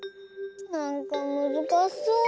なんかむずかしそう。